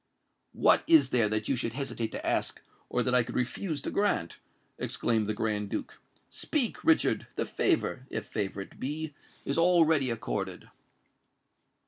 "What is there that you should hesitate to ask or that I could refuse to grant?" exclaimed the Grand Duke. "Speak, Richard:—the favour—if favour it be—is already accorded."